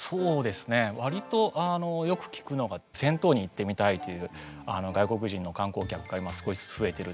わりとよく聞くのが銭湯に行ってみたいという外国人の観光客が今少しずつ増えてる。